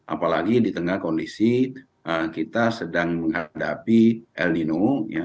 apalagi di tengah kondisi kita sedang menghadapi el nino